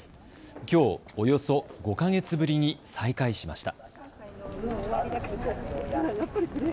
きょう、およそ５か月ぶりに再開しました。